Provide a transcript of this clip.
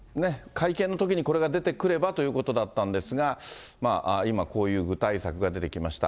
会見のときにこれが出てくればということだったんですが、今、こういう具体策が出てきました。